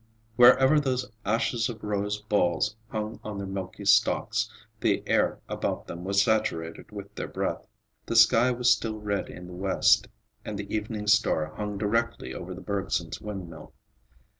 Wherever those ashes of rose balls hung on their milky stalks, the air about them was saturated with their breath. The sky was still red in the west and the evening star hung directly over the Bergsons' wind mill.